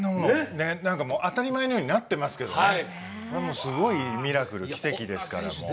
当たり前のようになってますけどすごいミラクル、奇跡ですから。